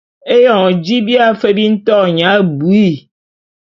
Eyon ji bia fe bi nto fe nya abuii.